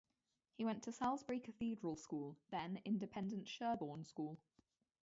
He went to Salisbury Cathedral School, then independent Sherborne School.